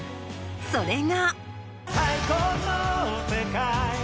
それが。